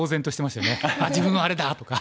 「自分はあれだ！」とか。